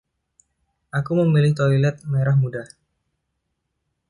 aku memilih toilet merah muda.